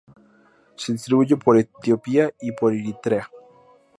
Se distribuye por Etiopía y por Eritrea.